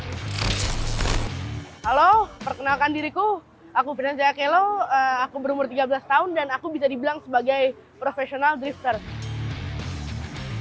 halo perkenalkan diriku aku finansia kelo aku berumur tiga belas tahun dan aku bisa dibilang sebagai profesional drifters